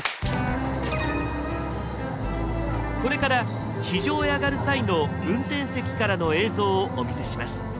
これから地上へ上がる際の運転席からの映像をお見せします。